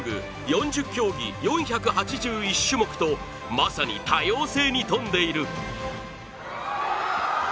４０競技４８１種目とまさに、多様性に富んでいる。